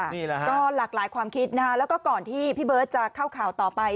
ค่ะก็หลากหลายความคิดนะครับแล้วก็ก่อนที่พี่เบิ้ลจะเข้าข่าวต่อไป